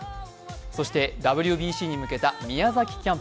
そしてＷＢＣに向けた宮崎キャンプ。